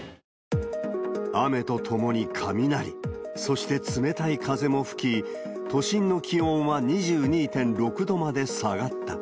雨とともに雷、そして冷たい風も吹き、都心の気温は２２．６度まで下がった。